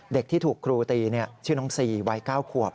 เด็กที่ถูกครูตีชื่อน้องซีวัย๙ขวบ